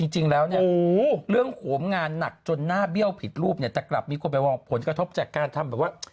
จริงแล้วเนี่ยเรื่องโหมงานหนักจนหน้าเบี้ยวผิดรูปเนี่ยแต่กลับมีคนไปมองผลกระทบจากการทำแบบว่า